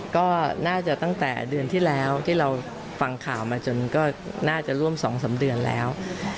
ก็น่าจะตั้งแต่เดือนที่แล้วที่เราฟังข่าวมาจนก็น่าจะร่วม๒๓เดือนแล้ว